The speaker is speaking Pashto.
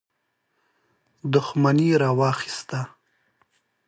دښمني راواخیسته.